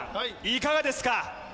いかがですか？